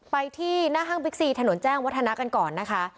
ไปที่หน้าห้างบิ๊กซีถนนแจ้งวัฒนากันก่อนนะคะ